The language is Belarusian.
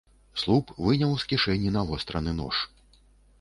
Слуп выняў з кішэні навостраны нож.